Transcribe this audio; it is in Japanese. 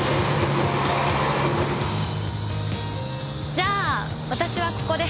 じゃあ私はここで。